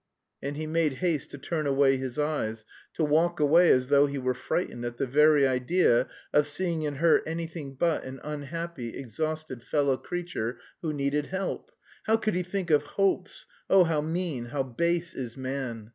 And he made haste to turn away his eyes, to walk away as though he were frightened at the very idea of seeing in her anything but an unhappy, exhausted fellow creature who needed help "how could he think of hopes, oh, how mean, how base is man!"